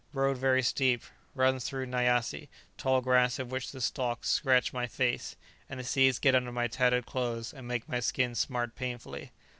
Road very steep; runs through nyassi, tall grass of which the stalks scratch my face, and the seeds get under my tattered clothes and make my skin smart painfully.